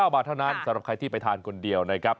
บาทเท่านั้นสำหรับใครที่ไปทานคนเดียวนะครับ